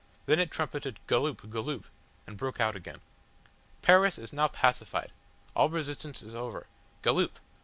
Then it trumpeted "Galloop, Galloop," and broke out again. "Paris is now pacified. All resistance is over. Galloop!